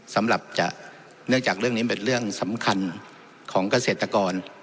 สำหรับจะเนื่องจากเรื่องนี้เป็นเรื่องสำคัญของเกษตรกร